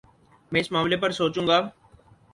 میں اس معاملے پر سوچوں گا